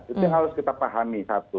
itu yang harus kita pahami satu